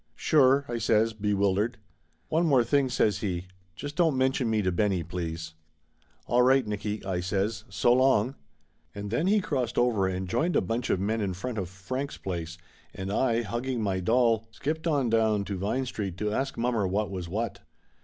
"Sure !" I says, bewildered. "One more thing," says he. "Just don't mention me to Benny, please." "All right, Nicky," I says. "So long." And then he crossed over and joined a bunch of men in front of Frank's place, and I, hugging my doll, 186 Laughter Limited skipped on down to Vine Street to ask mommer what was what.